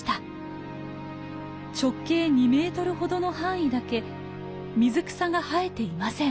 直径２メートルほどの範囲だけ水草が生えていません。